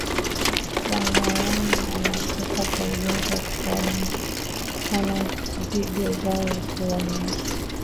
Wanayama wanaokufa kwa ugonjwa wa kutoka damu sana vigo zao huwa nyeusi